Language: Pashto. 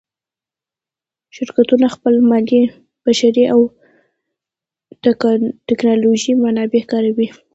شرکتونه خپل مالي، بشري او تکنالوجیکي منابع کاروي.